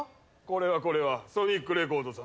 これはこれはソニックレコードさん。